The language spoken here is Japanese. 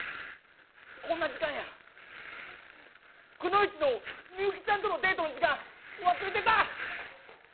こんな時間やくノ一のミユキちゃんとのデートの時間忘れてた！